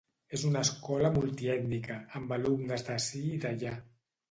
És una escola multiètnica, amb alumnes d'ací i d'allà.